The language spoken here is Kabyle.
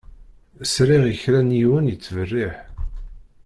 Sliɣ i kra n yiwen yettberriḥ.